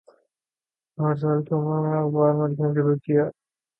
آٹھ سال کی عمر میں اخبار میں لکھنا شروع کیا